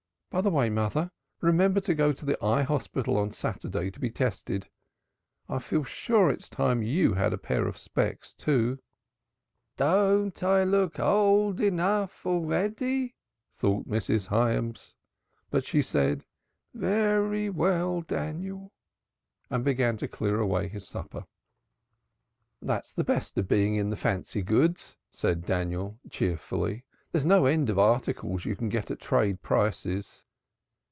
By the way, mother, remember to go to the Eye Hospital on Saturday to be tested. I feel sure it's time you had a pair of specs, too." "Don't I look old enough already?" thought Mrs. Hyams. But she said, "Very well, Daniel," and began to clear away his supper. "That's the best of being in the fancy," said Daniel cheerfully. "There's no end of articles you can get at trade prices."